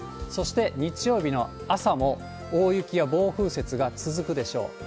そして日曜日の朝も大雪や暴風雪が続くでしょう。